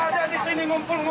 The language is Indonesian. ada di sini ngumpul ngumpul